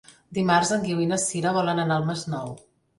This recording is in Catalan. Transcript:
Dimarts en Guiu i na Sira volen anar al Masnou.